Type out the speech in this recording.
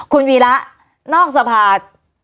คุณวีระนอกสภา